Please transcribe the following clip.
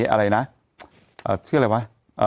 เอ่อเสียอะไรวะ